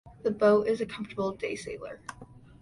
The boat is a comfortable daysailer.